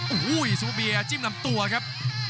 โอ้โหซูเปอร์เบียร์จิ้มลำตัวครับ